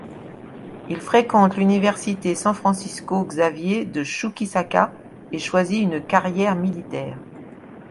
Il fréquente l'Université San Francisco Xavier de Chuquisaca et choisi une carrière militaire.